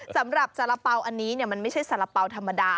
สำหรับสาระเป๋าอันนี้มันไม่ใช่สาระเป๋าธรรมดา